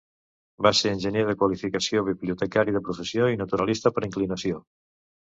Va ser enginyer de qualificació, bibliotecari de professió i naturalista per inclinació.